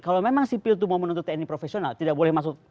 kalau memang sipil itu mau menuntut tni profesional tidak boleh masuk